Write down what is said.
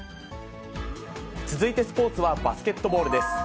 続いてスポーツは、バスケットボールです。